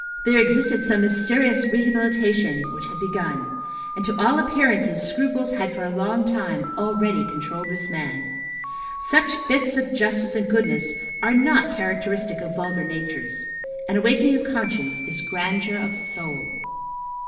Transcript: There existed some mysterious re habilitation which had begun; and, to all appearances, scruples had for a long time already controlled this man. Such fits of justice and goodness are not characteristic of vulgar natures. An awakening of conscience is grandeur of soul.